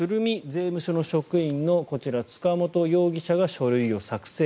税務署の職員のこちら塚本容疑者が書類を作成